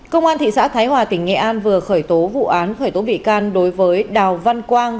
công an thị xã thái hòa tỉnh nghệ an vừa khởi tố vụ án khởi tố bị can đối với đào văn quang